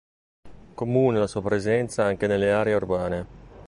Comune la sua presenza anche nelle aree urbane.